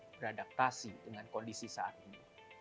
beradaptasi dengan kondisi saat ini